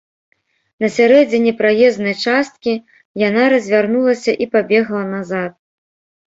На сярэдзіне праезнай часткі яна развярнулася і пабегла назад.